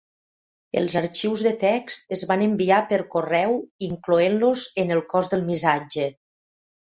Els arxius de text es van enviar per correu incloent-los en el cos del missatge.